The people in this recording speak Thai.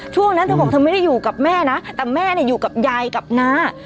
ช่วงนั้นเธอบอกเธอไม่ได้อยู่กับแม่นะแต่แม่อยู่กับยายกับน้า